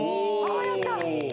やったー！